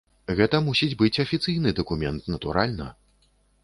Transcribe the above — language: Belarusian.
Гэта мусіць быць афіцыйны дакумент, натуральна.